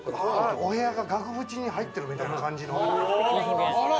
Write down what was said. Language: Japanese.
お部屋が額縁に入ってるみたいな感じの。